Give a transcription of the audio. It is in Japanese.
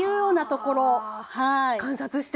あ観察して。